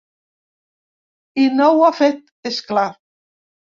I no ho ha fet, és clar.